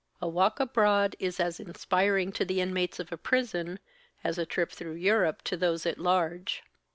A walk abroad is as inspiring to the inmates of a prison as a trip through Europe to those at large.